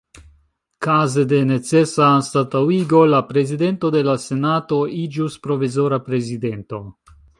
Kaze de necesa anstataŭigo la Prezidento de la Senato iĝus Provizora Prezidento.